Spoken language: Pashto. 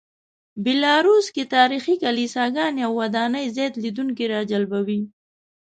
بیلاروس کې تاریخي کلیساګانې او ودانۍ زیاتې لیدونکي راجلبوي.